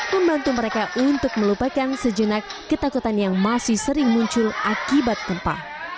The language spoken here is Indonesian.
membantu mereka untuk melupakan sejenak ketakutan yang masih sering muncul akibat gempa